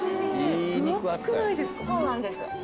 そうなんです。